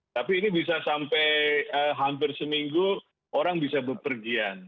tapi ini bisa sampai hampir seminggu orang bisa berpergian